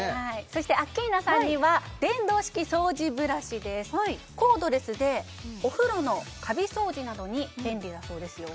そしてアッキーナさんには電動式掃除ブラシですコードレスでお風呂のカビ掃除などに便利だそうですよ